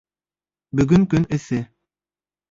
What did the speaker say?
Бөгөн көн эҫе